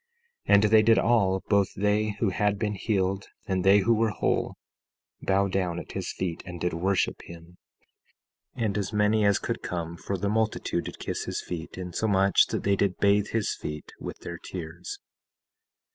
17:10 And they did all, both they who had been healed and they who were whole, bow down at his feet, and did worship him; and as many as could come for the multitude did kiss his feet, insomuch that they did bathe his feet with their tears.